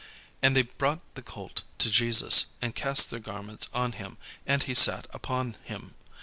And they brought the colt to Jesus, and cast their garments on him; and he sat upon him.